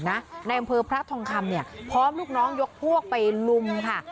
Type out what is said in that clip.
ในอำเภอพระทองคำเนี่ยพร้อมลูกน้องยกพวกไปลุมค่ะ